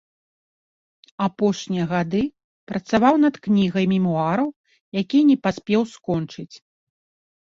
Апошнія гады працаваў над кнігай мемуараў, якія не паспеў скончыць.